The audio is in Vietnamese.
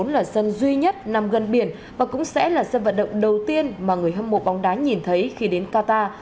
chín trăm bảy mươi bốn là sân duy nhất nằm gần biển và cũng sẽ là sân vận động đầu tiên mà người hâm mộ bóng đá nhìn thấy khi đến qatar